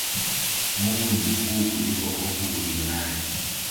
Mungu ni mkuu kuliko hofu uliyonayo